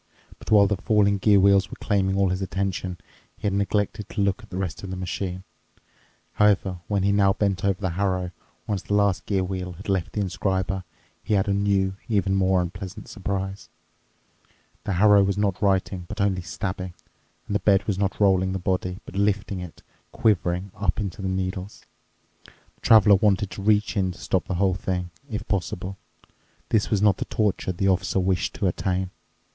But while the falling gear wheels were claiming all his attention, he had neglected to look at the rest of the machine. However, when he now bent over the harrow, once the last gear wheel had left the inscriber, he had a new, even more unpleasant surprise. The harrow was not writing but only stabbing, and the bed was not rolling the body, but lifting it, quivering, up into the needles. The Traveler wanted to reach in to stop the whole thing, if possible. This was not the torture the Officer wished to attain.